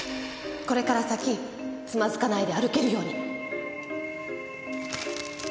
これから先つまずかないで歩けるように。